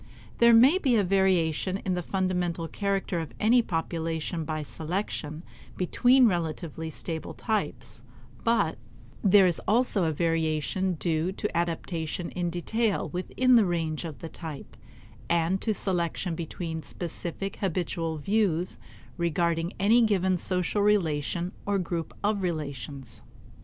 There may be a variation in the fundamental character of any population by selection between relatively stable types; but there is also a variation due to adaptation in detail within the range of the type, and to selection between specific habitual views regarding any given social relation or group of relations.